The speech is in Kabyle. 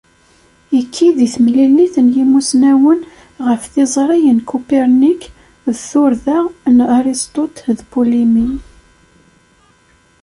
Ikki di temlilit n yimussnawen ɣef tiẓri n Kupernik d turda n Aristote d Polémée.